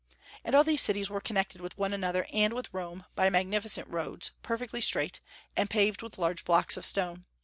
And all these cities were connected with one another and with Rome by magnificent roads, perfectly straight, and paved with large blocks of stone.